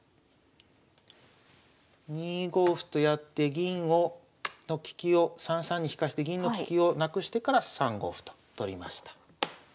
２五歩とやって銀の利きを３三に利かして銀の利きをなくしてから３五歩と取りました。